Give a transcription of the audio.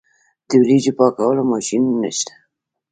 د وریجو پاکولو ماشینونه شته